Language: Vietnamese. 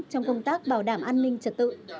trong công tác bảo đảm an ninh trật tự